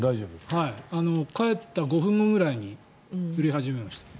帰った５分後ぐらいに降り始めました。